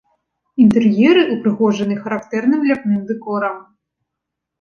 Інтэр'еры ўпрыгожаны характэрным ляпным дэкорам.